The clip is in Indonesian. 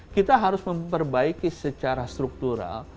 kita harus memperbaiki secara struktural